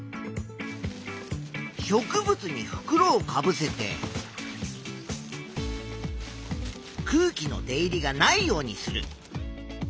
植物にふくろをかぶせて空気の出入りがないようにする。